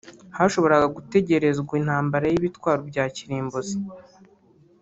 hashoboraga gutegerezwa intambara y’ibitwaro bya kirimbuzi